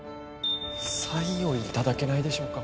サインを頂けないでしょうか？